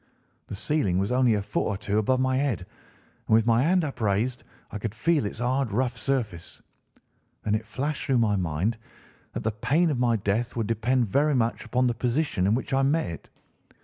The ceiling was only a foot or two above my head, and with my hand upraised I could feel its hard, rough surface. Then it flashed through my mind that the pain of my death would depend very much upon the position in which I met it.